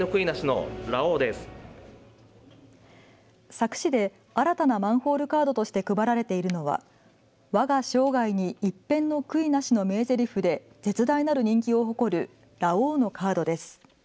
佐久市で新たなマンホールカードとして配られているのはわが生涯に一片の悔いなし、の名ぜりふで絶大なる人気を誇るラオウのカードです。